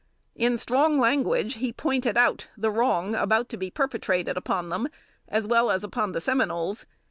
In strong language, he pointed out the wrong about to be perpetrated upon them, as well as upon the Seminoles.